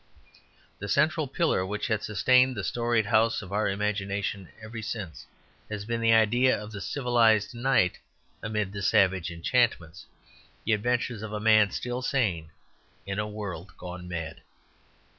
The central pillar which has sustained the storied house of our imagination ever since has been the idea of the civilized knight amid the savage enchantments; the adventures of a man still sane in a world gone mad.